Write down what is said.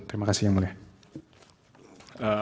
terima kasih yang mulia